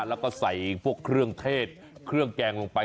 แล้วก็ใส่พวกเครื่องเทศเครื่องแกงลงไป